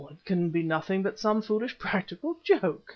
It can be nothing but some foolish practical joke!